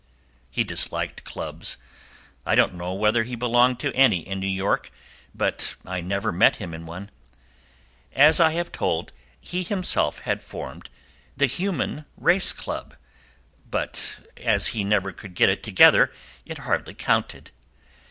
He disliked clubs; I don't know whether he belonged to any in New York, but I never met him in one. As I have told, he himself had formed the Human Race Club, but as he never could get it together it hardly counted.